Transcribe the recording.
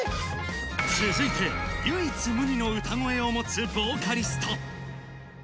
続いて、唯一無二の歌声を持つヴォーカリスト。